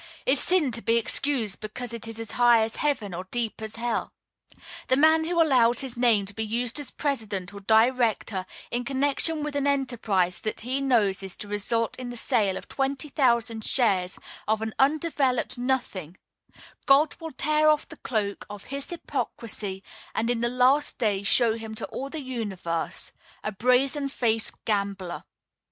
Is sin to be excused because it is as high as heaven, or deep as hell? The man who allows his name to be used as president or director in connection with an enterprise that he knows is to result in the sale of twenty thousand shares of an undeveloped nothing God will tear off the cloak of his hypocrisy, and in the last day show him to all the universe a brazen faced gambler.